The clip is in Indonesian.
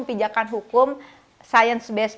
kebijakan hukum science based